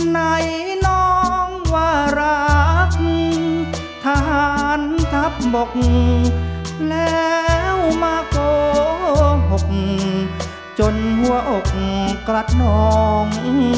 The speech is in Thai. ไหนน้องว่ารักทหารทัพบกแล้วมาโกหกจนหัวอกกระนอง